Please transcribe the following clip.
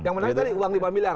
yang menarik tadi uang lima miliar